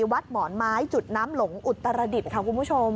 วัดหมอนไม้จุดน้ำหลงอุตรดิษฐ์ค่ะคุณผู้ชม